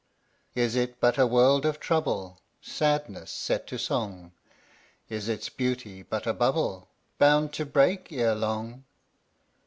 Is it but a world of trouble Sadness set to song? Is its beauty but a bubble Bound to break ere long?